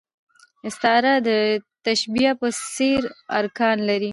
استعاره د تشبېه په څېر ارکان لري.